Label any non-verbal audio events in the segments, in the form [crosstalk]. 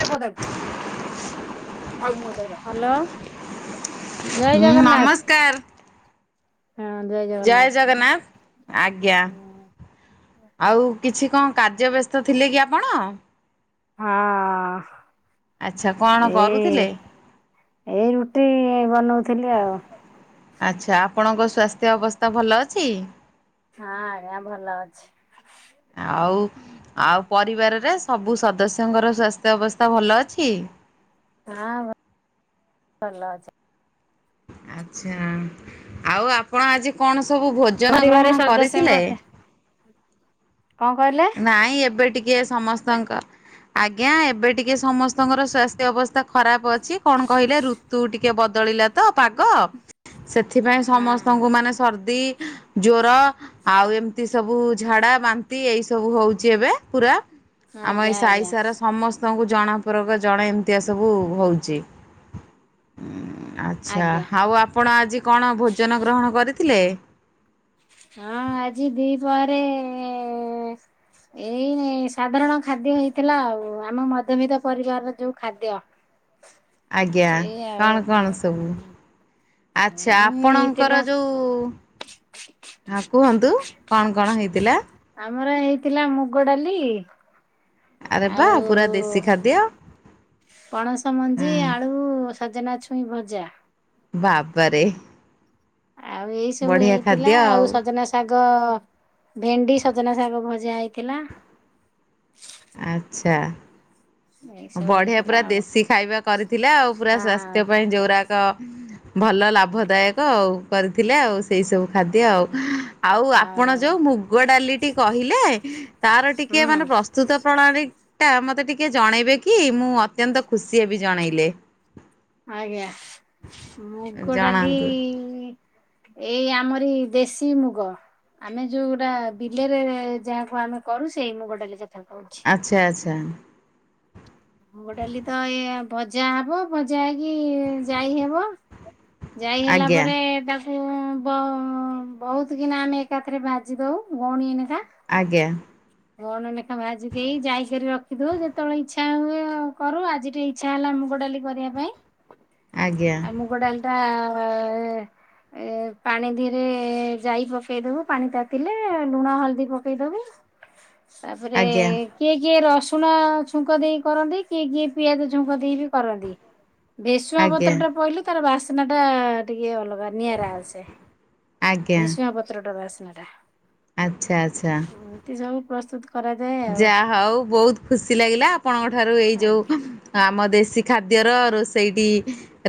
[unintelligible] Hello. ଜୟ ହୁଁ ଜଗନ୍ନାଥ ନମସ୍କାର ହୁଁ ଜୟ ଜଗ ଜୟ ଜଗନ୍ନାଥ ଆଜ୍ଞା। ହଁ ଆଉ କିଛି କଣ କାର୍ଯ୍ୟ ବ୍ୟସ୍ତ ଥିଲେ କି ଆପଣ? ହଁ ଆଚ୍ଛା କଣ ଏ କରୁଥିଲେ? ଏଇ ରୁଟି ଏଇ ବନୋଉଥିଲି ଆଉ। ଆଚ୍ଛା ଆପଣଙ୍କ ସ୍ୱାସ୍ଥ୍ୟ ଅବସ୍ତା ଭଲ ଅଛି? ହଁ ଆଜ୍ଞା ଭଲ ଅଛି। ଆଉ ଆଉ ପରିବାରରେ ସବୁ ସଦସ୍ୟଙ୍କର ସ୍ୱାସ୍ଥ୍ୟ ଅବସ୍ତା ଭଲ ଅଛି? ହଁ ଭ-ଭଲ ଅଛ। ଆଚ୍ଛା ଆଉ ଆପଣ ଆଜି କଣ ସବୁ ଭୋଜନ ପରିବାର ଗ୍ରହଣ ସଦସ୍ୟ କରିଥିଲେ? ମଧ୍ୟ କଣ କହିଲେ? ନାଇଁ ଏବେ ଟିକିଏ ସମସ୍ତଙ୍କ ଆଜ୍ଞା ଏବେ ଟିକେ ସମସ୍ତଙ୍କର ସ୍ୱାସ୍ଥ୍ୟ ଅବସ୍ଥା ଖରାପ ଅଛି କଣ କହିଲେ ଋ ତୁ ଟିକେ ବଦଳିଲା ତ ପାଗ ସେଥିପାଇଁ ହଁ ସମସ୍ତଙ୍କୁ ମାନେ ସ୍ ସର୍ଦି, ଜ୍ଵର ଆଉ ଏମତି ସବୁ ଝାଡା, ବାନ୍ତି ଏଇ ସ ସବୁ ହୋଉଚି ଏବେ ପୁରା ଆମ ଆଜ୍ଞା ଏଇ ସାଇ ଆଜ୍ଞା ସାରା ସମସ୍ ତମକୁ ଜଣାପରକ ଜଣେ ଏମିତିଆ ସବୁ ହୋଉଚି ଉଁ ଆ ଆଚ୍ଛା ଆଜ୍ଞା ଆଉ ଆପଣ ଆଜି କଣ ଭୋଜନ ଗ୍ରହଣ କରିଥିଲେ? ହଁ ଆଜି ଦି ପହରେ ଏ ଏଇ ସାଧାରଣ ଖାଦ୍ୟ ହେଇଥିଲା ଆଉ ଆମ ମଧ୍ୟବିତ୍ତ ପରିବାରର ଯୋଉ ଖାଦ୍ୟ। ଆଜ୍ଞା ସେଇ ଆଉ। କଣ କଣ ସବୁ? ଉଁ ଆଚ୍ଛା ହେଇଥିଲା ଆପଣଙ୍କର ଯୋଉ ହଁ କୁହନ୍ତୁ କଣ କଣ ହେଇଥିଲା? ଆମର ହେଇଥିଲା ମୁଗ ଡାଲି ଆରେ ବା ଆଉ ପୁରା ଦେଶୀ ଖାଦ୍ୟ। ପଣସ ମଞ୍ଜି ଆଳୁ, ସଜନା ଛୁଇଁ ଭଜା। ବାବାରେ। ଆଉ ଏଇ ସବୁ ବଢିଆ ହେଇଥିଲା ଖାଦ୍ୟ ଆଉ ସଜନା ଶ୍ ଶାଗ, ଭେଣ୍ଡି, ସଜନା ଶାଗ ଭଜା ହେଇଥିଲା। ଆଚ୍ଛା। ଏଇ ସବୁ ବଢିଆ ହେଇଥିଲା ପୁରା ଆଉ ଦେଶୀ ଖାଇବା କରିଥିଲେ ଆଉ ପୁରା ହଁ। ସ୍ଵାସ୍ଥ୍ୟ ପାଇଁ ଯୋଉରା ତ ଭଲ ଲାଭଦାୟକ ଆଉ କରିଥିଲେ ଆଉ ସେଇ ସବୁ ଖାଦ୍ୟ ଆଉ ଉଁ ଆଉ ଆପଣ ଆଜ୍ଞା ଯୋଉ ମୁଗ ଡାଲିଟି କହିଲେ ତାର ଟିକେ ହୁଁ ମାନେ ପ୍ରସ୍ତୁତ ପ୍ରଣାଳୀଟା ମତେ ଟିକେ ଜଣେଇବେ କ୍ କି ମୁଁ ଅତ୍ୟନ୍ତ ଖୁସି ହେବି ଜଣେଇଲେ। ଆଜ୍ଞା ମୁଗ ଡାଲି ଜଣାନ୍ତୁ ଏଇ ଆମରି ଦେଶୀ ମୁଗ ଆମେ ଯୋଉଟା ବିଲରେ ଯାହାକୁ ଆମେ କରୁ ସେଇ ମୁଗ ଡାଲି କଥା କୋହୁଛି। ଆଚ୍ଛା ଆଚ୍ଛା। ମୁଗ ଡାଲି ତ ଏଇଆ ଭଜା ହବ ଭଜା ହେଇକି ଜାଇ ହବ। ଯାଇ ହେଲା ଆଜ୍ଞା ପରେ ତା ଏ ବ ବୋହୁତ୍ କିନା ଆମେ ଏକାଥରେ ଭାଜି ଦୋଉ ଗଉଣିଏ ନେଖା। ଆଜ୍ଞା। ଗଅଣେ ଲେଖା ଭାଜି ଦେଇ ଯାଇକରି ରଖିଦୋଉ ଯେତେବେଳେ ଇଚ୍ଛା ହୁଏ କରୁ ଆଜି ଟିଏ ଇ ଇଚ୍ଛା ହେଲା ମୁଗ ଡାଲି କରିବା ପାଇଁ ଆଜ୍ଞା ଆଉ ମୁଗ ଡାଲିଟା ଏ ପାଣି ଧୀରେ ଯାଇ ପକେଇଦୋବୁ ପାଣି ତାତିଲେ ଲୁଣ ହଳଦୀ ପକେଇଦୋବୁ। ତାପରେ ଆଜ୍ଞା କିଏ କିଏ ରସୁଣ ଛୁଙ୍କ ଦେଇ କରନ୍ତି କିଏ କିଏ ପିଆଜ ଛୁଙ୍କ ଦେଇ ବି କରନ୍ତି। ଭେରସୁଙ୍ଗା ପତ୍ର ଆଜ୍ଞା ଟା ପଇଲେ ତାର ବାସ୍ନା ଟା ଟିକେ ଅଲଗା ନିଆରା ଆସେ। ଆଜ୍ଞା ଭେରସୁଙ୍ଗା ପତ୍ର ଟାର ବାସ୍ନା ଟା। ଆଚ୍ଛା ଆଚ୍ଛା। ଏତେ ଯୋଉ ପ୍ରସ୍ତୁତ କରାଯାଏ ଆଉ। ଯାହା ହଉ ବହୁତ ଖୁସି ଲାଗିଲା ଆପଣଙ୍କ ଠାରୁ ଏଇ ଆଜ୍ଞା ଯୋଉ ଆମ ଦେଶୀ ଖାଦ୍ୟର ରୋଷେଇଟି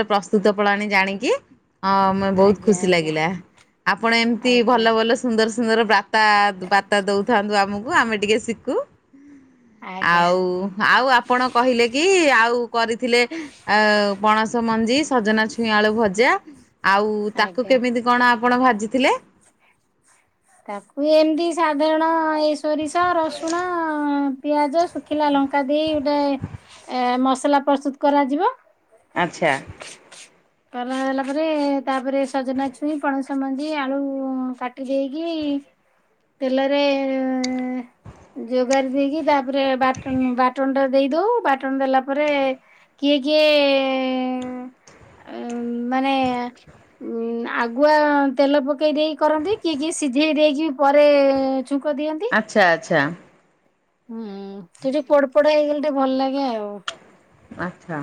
ର ପ୍ରସ୍ତୁତ ପ୍ରଣାଳୀ ଜାଣିକି। ହଁ ମୁଁ ବହୁତ୍ ଆଜ୍ଞା ଖୁସି ଆଜ୍ଞା ଲାଗିଲା। ଆପଣ ଏମତି ଆଜ୍ଞା ଭଲ ଭଲ ସୁନ୍ଦର ସୁନ୍ଦର ପ୍ରା ତା ବାର୍ତ୍ତା ଦଉଥାନ୍ତୁ ଆମକୁ ଆମେ ଟିକେ ଶିକୁ। ଆଉ ଆଉ ଆପଣ କହିଲେ କି ଆଉ କରିଥିଲେ ଆ ପଣସ ମଞ୍ଜି ସଜନା ଛୁଇଁ ଆଳୁ ଭଜା ଆଉ ଆଜ୍ଞା ତାକୁ ଆଜ୍ଞା। କେମିତି କଣ ଆପଣ ଭାଜିଥିଲେ? ତାକୁ ଏମିତି ସାଧାରଣ ଏ ସୋରିଷ ରସୁଣ ପିଆଜ ଶୁଖିଲା ଲଙ୍କା ଦେଇ ଗୋଟେ ଏ ମସଲା ପ୍ରସ୍ତୁତ କରାଯିବ। ଆଚ୍ଛା। କରାହେଲା ପରେ ତାପରେ ସଜନା ଛୁଇଁ ପଣସ ମଞ୍ଜି ଆଳୁ କାଟି ଦେଇ କି ତେଲରେ ଯୋଗାରି ଦେଇକି ତାପରେ ବାଟଣ ବାଟଣ ଟା ଦେଇଦଉ, ବାଟଣ ଦେଲା ପରେ କିଏ କିଏ ମାନେ ଉଁ ଆଗୁଆ ତେଲ ପକେଇ ଦେଇକି କରନ୍ତି। କିଏ କିଏ ସି ସିଝେଇ ଦେଇକି ବି ପରେ ଛୁଙ୍କ ଦିଅନ୍ତି। ଆଚ୍ଛା ଆଚ୍ଛା। ହୁଁ। ସେ ଟିକେ ପୋଡ ପୋଡ ହେଇଗଲେ ଟିକେ ଭଲ ଲାଗେ ଆଉ। ଆଚ୍ଛା।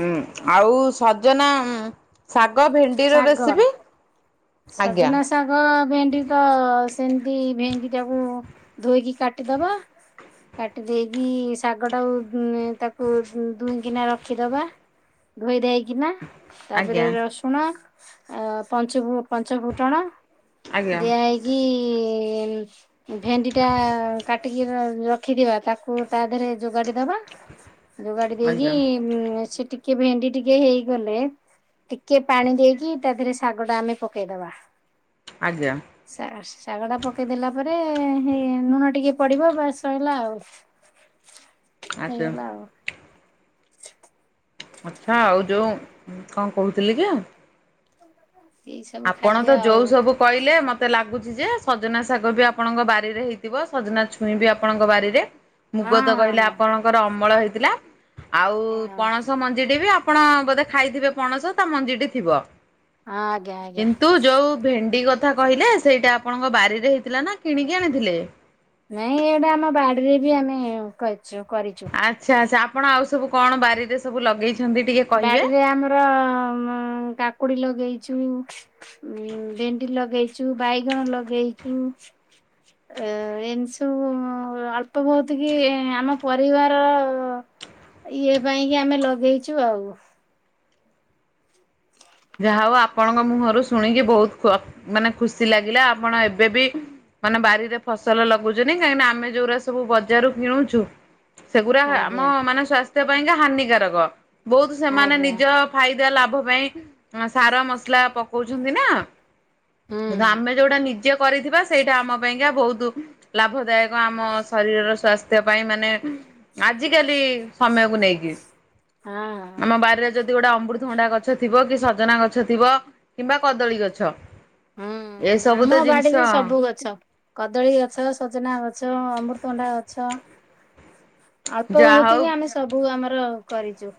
ଉଁ, ଆଉ ସଜନା ଶାଗ ଭେଣ୍ଡିର ଶାଗର। ରେସିପି। ଆଜ୍ଞା ସଜନା ଶାଗ ଭେଣ୍ଡି ତ ସେମିତି ଭେଣ୍ଡି ଟାକୁ ଧୋଇକି କାଟିଦବା। କାଟି ଦେଇକି ଶାଗ ଟାକୁ ତାକୁ ଦୁହିଁ କିିନା ରଖିଦବା। ଧୋଇ ଦେଇକିନା। ତାପରେ ଆଜ୍ଞା ରସୁଣ ପଞ୍ଚୁ ପଞ୍ଚ ଫୁଟଣ ଆଜ୍ଞା ଦିଆ ହେଇ କି ଭେଣ୍ଡି ଟା କାଟିକି ରଖିଥିବା ତାକୁ ତା ଦେହରେ ଯୋଗାଡି ଦବା। ଯୋଗାଡି ଦେଇକି ଆଜ୍ଞା ସେ ଟିକେ ଭେଣ୍ଡି ଟିକେ ହେଇଗଲେ ଟିକେ ପାଣି ଦେଇକି ତା ଦେହରେ ଶାଗ ଟା ଆମେ ପକେଇଦବା। ଆଜ୍ଞା। ଶା ଶାଗ ଟା ପକେଇଦେଲା ପରେ ହେଇ ଲୁଣ ଟିକେ ପଡ଼ିବ ବାସ୍ ଶଇଲା ଆଉ। ହେଇଗଲା ଆଚ୍ଛା ଆଉ। ଆଚ୍ଛା, ଆଉ ଯୋଉ କଣ କହୁଥିଲି କି ଏଇ ସବୁ ଆପଣ ତ ଖାଦ୍ୟ ଯୋଉ ଆଉ। ସବୁ କହିଲେ ମୋତେ ଲାଗୁଚି ଯେ ସଜନା ଶାଗ ବି ଆପଣଙ୍କ ବାରିରେ ହେଇଥିବ ସଜନା ଛୁଇଁ ବି ଆପଣଙ୍କ ବାରିରେ ହଁ ମୁଗ ତ ହଁ କହିଲେ ହଁ ଆପଣଙ୍କର ଅମଳ ହେଇଥିଲା। ଆଉ ହଁ ପଣସ ମଞ୍ଜିଟି ବି ଆ ଆପଣ ବୋଧେ ଖାଇଥିବେ ପଣସ ତା ମଞ୍ଜିଟି ଥିବ। ହଁ। କିନ୍ତୁ ଯୋଉ ଭେଣ୍ଡି କଥା କହିଲେ ସେଇଟା ଆପଣଙ୍କ ବାରିରେ ହେଇଥିଲା ନା କିଣିକି ଆଣିଥିଲେ? ନାଇଁ ଏଇଟା ଆମ ବାଡ଼ିରେ ବି ଆମେ କରିଚୁ କରିଚୁ। ଆଚ୍ଛା, ଆଚ୍ଛା ଆପଣ ଆଉ ସବୁ କଣ ବାରିରେ ସବୁ ଲଗେଇଛନ୍ତି? ଟିକେ କହିବେ? ବାଡ଼ିରେ ଆମର ଉଁ ମ୍ କାକୁଡ଼ି ଲଗେଇଛୁ। ଉଁ ଭେଣ୍ଡି ଲଗେଇଛୁ, ବାଇଗଣ ଲଗେଇଛୁ। ଏ- ଏମି ସବୁ ଅଳ୍ପ ବହୁତ କି ଆମ ପରିବାର ଇଏ ପାଇଁ କି ଆମେ ଲଗେଇଛୁ ଆଉ। ଯାହା ହଉ ଆପଣଙ୍କ ମୁହଁରୁ ଶୁଣିକି ବହୁତ- ଖ ମାନେ ଖୁସି ଲାଗିଲା ଆପଣ ଏବେ ବି ମାନେ ବାରିରେ ଫସଲ ଲଗୁଛନ୍ତି କାହିଁକି ନା ଆମେ ଯୋଉଟା ସବୁ ବଜାରରୁ କିଣୁଛୁ ସେଗୁଡ଼ା ଆମ ଆଜ୍ଞା ମାନେ ସ୍ଵାସ୍ଥ୍ୟ ପାଇଁକା ହାନିକାରକ ବହୁତ ସେମାନେ ଆଜ୍ଞା ନିଜ ଫାଇଦା ଲାଭ ପାଇଁ ସାର ମସଲା ପକଉଛନ୍ତି ନା। ହୁଁ କିନ୍ତୁ ଆମେ ଯୋଉଟା ନିଜେ କରିଥିବା ସେଇଟା ଆମ ପାଇଁକା ବହୁତ ଲାଭଦାୟକ ଆମ ଶରୀରର ସ୍ଵାସ୍ଥ୍ୟ ପାଇଁ ମାନେ ଆଜିକାଲି ସମୟକୁ ନେଇକି। ହଁ,। ଆମ ବାରିରେ ଯଦି ଗୋଟେ ଅମୃତଭଣ୍ଡା ଗଛ ଥିବ କି ସଜନା ଗଛ ଥିବ କିମ୍ବା କଦଳୀ ଗଛ। ହୁଁ ଏସବୁ ଆମ ତ ବାଡିରେ ଜିନିଷ ସବୁ ଗଛ। କଦଳୀ ଗଛ, ସଜନା ଗଛ, ଅମୃତଭଣ୍ଡା ଗଛ। ଅଳ୍ପ ଯାହା ବହୁତ ହଉ କି ଆମେ ସବୁ ଆମର କରିଛୁ।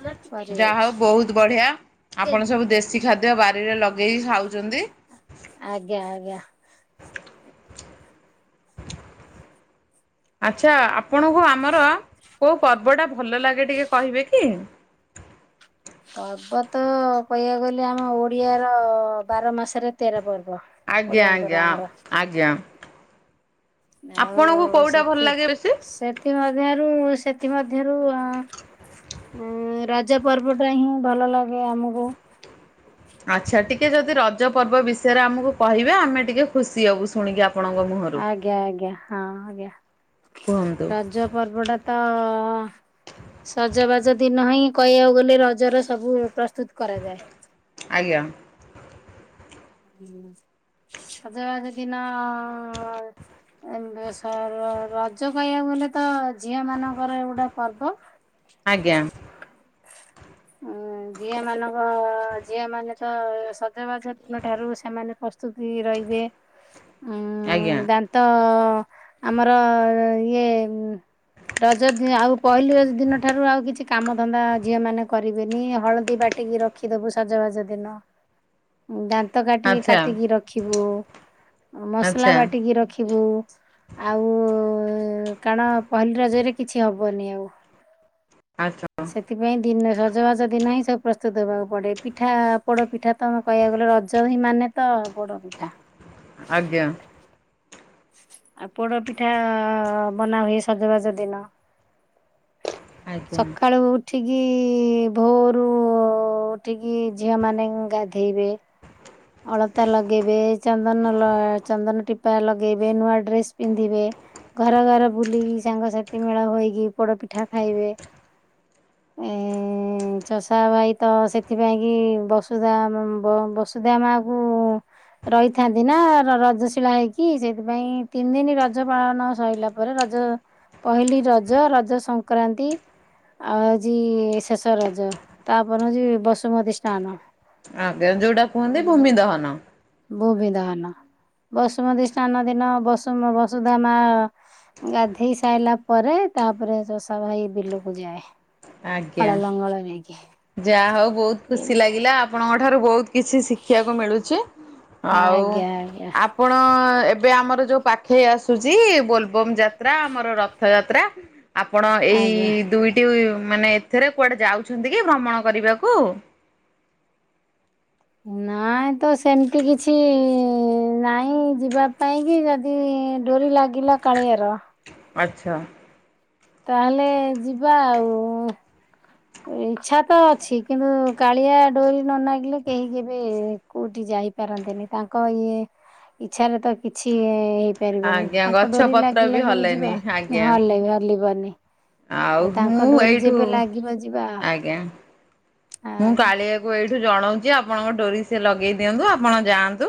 ଆମର ଯାହା ହଉ ବହୁତ ବଢ଼ିଆ ଆପଣ ସବୁ ଦେଶୀ ଖାଦ୍ୟ ବାରିରେ ଲଗେଇକି ଖାଉଛନ୍ତି। ଆଜ୍ଞା, ଆଜ୍ଞା। ଆଚ୍ଛା ଆପଣଙ୍କୁ ଆମର କେଉଁ ପର୍ବଟା ଭଲ ଲାଗେ ଟିକେ କହିବେ କି? ପର୍ବ ତ କହିବାକୁ ଗଲେ ଆମ ଓଡ଼ିଆ ର ବାର ମାସରେ ତେର ପର୍ବ। ଆଜ୍ଞା ଓଡ଼ିଆଙ୍କର ଆଜ୍ଞା ଆମର। ଆଜ୍ଞା। ଆପଣଙ୍କୁ ଆଉ କୋଉଟା ଭଲ ସେଥି- ଲାଗେ ବେଶୀ? ସେଥି ମଧ୍ୟରୁ ସେଥି ମଧ୍ୟରୁ ଉଁ ରଜ ପର୍ବ ଟା ହିଁ ଭଲ ଲାଗେ ଆମକୁ। ଆଚ୍ଛା ଟିକେ ଯଦି ରଜ ପର୍ବ ବିଷୟରେ ଆମକୁ କହିବେ ଆମେ ଟିକେ ଖୁସି ହବୁ ଶୁଣିକି ଆପଣଙ୍କ ମୁହଁରୁ। ଆଜ୍ଞା, ଆଜ୍ଞା, ହଁ ଆଜ୍ଞା କୁହନ୍ତୁ ରଜ ପର୍ବଟା ତ ସଜବାଜ ଦିନ ହିଁ କହିବାକୁ ଗଲେ ରଜର ସବୁ ପ୍ରସ୍ତୁତ କରାଯାଏ। ଆଜ୍ଞା। ହୁଁ ସଜବାଜ ଦିନ ଏମତି ର - ରଜ କହିବାକୁ ଗଲେ ତ ଝିଅ ମାନଙ୍କର ଏ ଗୋଟା ପର୍ବ। ଆଜ୍ଞା। ଉଁ ଝିଅ ମାନଙ୍କ ଝିଅ ମାନେ ତ ସଜବାଜ ଦିନ ଠାରୁ ସେମାନେ ପ୍ରସ୍ତୁତି ହେଇ ରହିବେ। ଉଁ ଆଜ୍ଞା। ଦାନ୍ତ ଆମର ଇଏ ରଜ ଆଉ ପହିଲି ଦିନ ଠାରୁ ଆଉ କିଛି କାମ ଧନ୍ଦା ଝିଅ ମାନେ କରିବେନି ହଳଦୀ ବାଟିକି ରଖିଦବୁ ସଜବାଜ ଦିନ। ଉ ଦାନ୍ତ କାଟି ଆଚ୍ଛା କାଟିକି ରଖିବୁ। ଉ ମସଲା ଆଚ୍ଛା ବାଟିକି ରଖିବୁ। ଆଉ କାରଣ ପହିଲି ରଜରେ କିଛି ହେବନି ଆଉ। ଆଚ୍ଛା। ସେଥିପାଇଁ ଦିନରେ ରଜଭଜ ଦିନ ହିଁ ସବୁ ପ୍ରସ୍ତୁତ ହେବାକୁ ପଡ଼ିବ ପିଠା ପୋଡ଼ ପିଠା ତମୁକୁ କହିବାକୁ ଗଲେ ରଜ ହିଁ ମାନେ ତଳ ପୋଡ ପିଠା। ଆଜ୍ଞା। ଆଉ ପୋଡ଼ ପିଠା ବନାହୁୁଏ ସଜବାଜ ଦିନ। ଆଜ୍ଞା ସଖାଳୁ ଠିକି ଭୋଉରୁ ଉଠିକି ଝିଅମାନେ ଗାଧେଇବେ। ଅଳତା ଲଗେଇବେ ଚନ୍ଦନଲ ଚନ୍ଦନ ଟିପା ଲଗେଇବେ ନୂଆ ଡ୍ରେସ୍ ପିନ୍ଧିବେ। ଘର ଘର ବୁଲିକି ସାଙ୍ଗସାଥି ମେଳ ହୋଇକି ପୋଡ ପିଠା ଖାଇବେ। ଏ ଚଷା ଭାଇ ତ ସେଥିପାଇଁକି ବସୁଧା ଆମେ ଵ ସୁଧା ମା ଆମେକୁ ରହିଥାନ୍ତି ନା ରଜଶିଳା ହେଇକି ସେଇଥିପାଇଁ ତିନି ଦିନ ରଜ ପାଳନ ସଇଲା ପରେ ରଜ ପହିଲି ରଜ ରଜ ସଂକ୍ରାନ୍ତି। ଆଉ ଆଜି ଶେଷ ରଜ ତାପରେ ହେଉଛି ବସୁମତୀ ସ୍ନାନ। ଆଜ୍ଞା ଯେଟା ବୋ ବିଧାନ। ବସୁମତୀଷ୍ନା ନ ଦିନ ବସୁମ ବସୁଧା ମା ଗାଧେଇ ସାଇସାଲା ପରେ ତାପରେ ଚଷା ଭାଇ ବିଲକୁ ଯାଏ। ହଳ ଆଜ୍ଞା ଲଙ୍ଗଳ ନେଇକି ଯାହା ହଉ ବହୁତ୍ ଖୁସି ଏମତି ଲାଗିଲା। ଆ ଠାରୁ ବହୁତ କିଛି ଶିଖିବାକୁ ମିଳୁଛି ଆଉ ଆଜ୍ଞା ଆଜ୍ଞା ଆପଣ ଏବେ ଆମର ଯୋଉ ପାଖେଇ ଆସୁଚି ବୋଲବମ୍ ଯାତ୍ରା ଆମର ରଥ ଯାତ୍ରା। ଆପଣ ଏଇ ଆଜ୍ଞା। ଦୁଇଟି ମାନେ ଏଥିରେ କୁଆଡେ ଯାଉଛନ୍ତି କି ଭ୍ରମଣ କରିବାକୁ? ନାଆଁ ତ ସେମିତି କିଛି ନାଇଁ ଯିବା ପାଇଁ କି। ଏଡୋରି ଲାଗିଲା କାଳିଆର। ଆଚ୍ଛା। ତାହେଲେ ଯିବା ଆଉ। ଇଚ୍ଛା ତ ଅଛି କିନ୍ତୁ କାଳିଆ ଡୋରି ନ ନାଗିଲେ କେହି କେହିଜିବେ କୋଉଠି ଯାଇପାରନ୍ତିନି ତାଙ୍କ ଇଏ ଇଚ୍ଛାରେ ତ କିଛି ପାରିବନି ଆଜ୍ଞା ତାଙ୍କ ଗଛ ଡୋରି ପତ୍ର ଲାଗି ବି ଲାଗିକି ହଲେନି ଯିବା ଆଜ୍ଞା। ହଲି ହଲିବାନି। ଆଉ ମୁଁ ଏଇଠୁ ଲାଗିବ ଯିବା। ଆଜ୍ଞା। ମୁଁ ଆଜ୍ଞା କାଳିଆକୁ ଏଇଠୁ ଜଣଉଚି ଆପଣଙ୍କ ଡୋରି ସେ ଲଗେଇ ଦିଅନ୍ତୁ ଆପଣ ଯାଆନ୍ତୁ।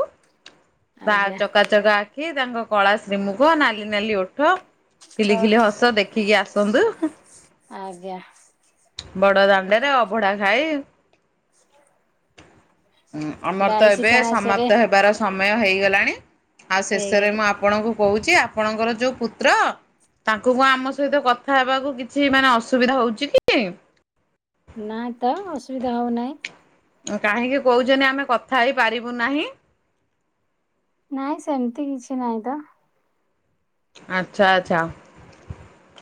ତା ଆଜ୍ଞା ଚକା ଚକା ଆଖି ତାଙ୍କ କଳା ଶ୍ରୀମୁଖ ନାଲି ନାଲି ଓଠ। ଛ ଖିଲି ଖିଲି ହସ ଦେଖିକି ଆସନ୍ତୁ। ଆଜ୍ଞା। ବଡ ଦାଣ୍ଡରେ ଅଭଢା ଖାଇ ଅମର ତ ବାଇଶି ଏବେ ପାହାଚରେ ସମାପ୍ତ ହେବାର ସମୟ ହେଇଗଲାଣି ଆଉ ଶେଷରେ ହେଇଗଲେ ମୁଁ ଆ୍ ଆପଣଙ୍କୁ କହୁଚି ଆପଣଙ୍କର ଯୋଉ ପୁତ୍ର ତାଙ୍କୁ କଣ ଆମ ସହିତ କଥା ହେବାକୁ କିଛି ମାନେ ଅସୁବିଧା ହଉଚି କି? ନାଆଁ ତ ଅସୁବିଧା ହଉନାହିଁ। କାହିଁକି କହୁଛନ୍ତି ଆମେ କଥା ହେଇ ପାରିବୁ ନାହିଁ? ନାଇଁ ସେମିତି କିଛି ନାହିଁ ତ ଆଚ୍ଛା ଆଚ୍ଛା।